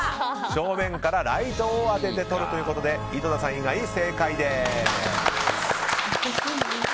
正面からライトを当てて撮るということで井戸田さん以外正解です。